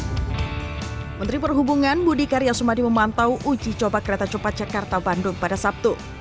hai menteri perhubungan budi karya sumadi memantau uji coba kereta cepat jakarta bandung pada sabtu